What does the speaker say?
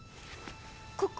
ここ？